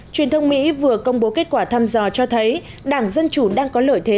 truyền thông mỹ vừa công bố kết quả thăm dò cho thấy đảng dân chủ đang có lợi thế